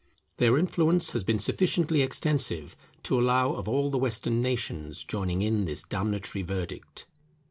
Their influence has been sufficiently extensive to allow of all the Western nations joining in this damnatory verdict.